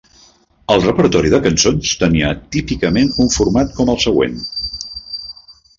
El repertori de cançons tenia típicament un format com el següent.